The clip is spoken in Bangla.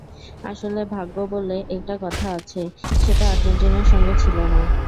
আসলে ভাগ্য বলে একটা কথা আছে, সেটা আর্জেন্টিনার সঙ্গে ছিল না।